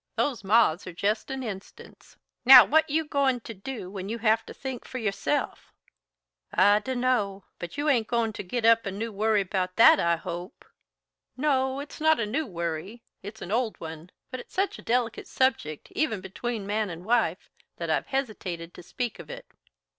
Those moths are jest an instance. Now, what you goin' to do when you have to think for yourself?" "I do' know, but you ain't goin' to git up a new worry 'bout that, I hope?" "No, it is not a new worry. It's an old one, but it's such a delicate subject, even between man and wife, that I've hesitated to speak of it.